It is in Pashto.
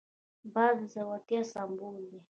باز د زړورتیا سمبول دی